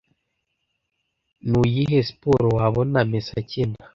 Nuyihe siporo wabona messi akina